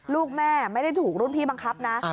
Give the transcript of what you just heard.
ลูกแม่ไม่ได้ถูกรุ่นพี่บังคับนะ